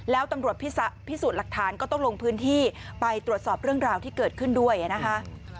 แล้วตำรวจพิสูจน์หลักฐานก็ต้องลงพื้นที่ไปตรวจสอบเรื่องราวที่เกิดขึ้นด้วยนะคะ